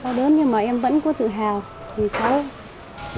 đau đớn nhưng mà em vẫn có tự hào vì cháu